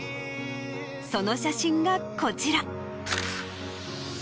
その写真がこちら。